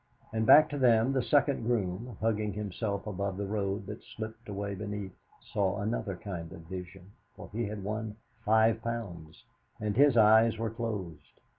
And back to them the second groom, hugging himself above the road that slipped away beneath, saw another kind of vision, for he had won five pounds, and his eyes were closed.